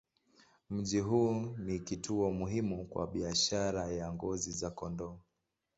Mji huu ni kituo muhimu kwa biashara ya ngozi za kondoo.